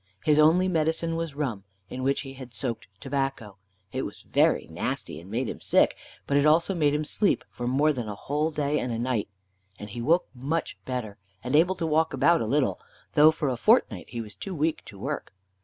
His only medicine was rum, in which he had soaked tobacco. It was very nasty, and made him sick, but it also made him sleep for more than a whole day and a night, and he woke much better, and able to walk about a little, though for a fortnight he was too weak to work.